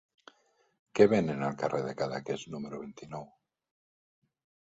Què venen al carrer de Cadaqués número vint-i-nou?